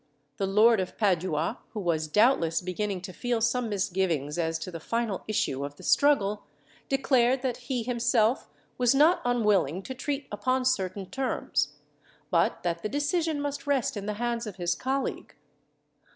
The Lord of Padua, who was doubtless beginning to feel some misgiving as to the final issue of the struggle, declared that he himself was not unwilling to treat upon certain terms, but that the decision must rest in the hands of his colleague.